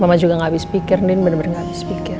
mama juga ga abis pikir din bener bener ga abis pikir